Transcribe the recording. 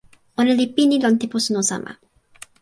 ona li pini lon tenpo suno sama.